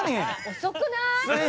遅くない？